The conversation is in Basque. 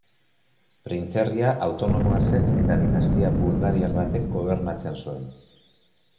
Printzerria autonomoa zen eta dinastia bulgariar batek gobernatzen zuen.